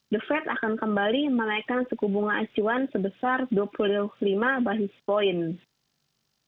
the fed akan kembali menaikkan suku bunga acuan sebesar dua puluh lima basis point